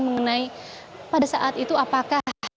mengenai pada saat itu apakah